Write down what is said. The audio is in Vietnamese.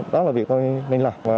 đó là việc tôi nên làm